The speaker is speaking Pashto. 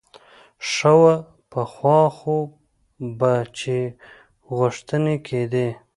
ښه وه پخوا خو به چې غوښتنې کېدې.